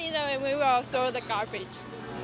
sebelum malam kita akan membuang sampah